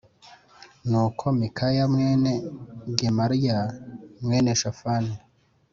Nuko Mikaya mwene Gemariya mwene Shafani